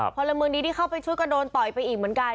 คนละมือนี้ที่เข้าไปชุดกระโดนต่อยไปอีกเหมือนกัน